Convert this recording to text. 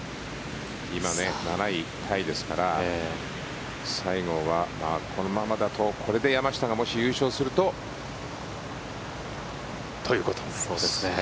今、７位タイですから西郷はこのままだとこれで山下がもし優勝すると。ということになります。